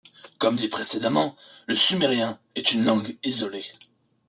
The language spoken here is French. Comme dit précédemment, le sumérien est une langue isolée.